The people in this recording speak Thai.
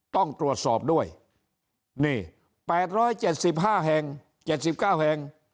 ต้องตรวจสอบด้วยเนี่ยแปดร้อยเจ็ดสิบห้าแห่งเจ็ดสิบเก้าแห่ง